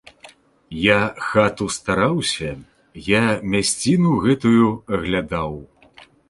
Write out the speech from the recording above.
Я хату стараўся, я мясціну гэтую аглядаў!